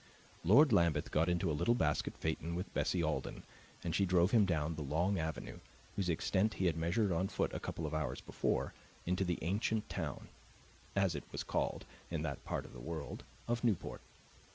Lord Lambeth got into a little basket phaeton with Bessie Alden, and she drove him down the long avenue, whose extent he had measured on foot a couple of hours before, into the ancient town, as it was called in that part of the world, of Newport.